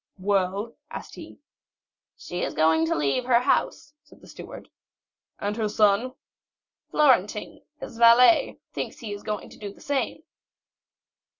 "Well?" asked he. "She is going to leave her house," said the steward. "And her son?" "Florentin, his valet, thinks he is going to do the same."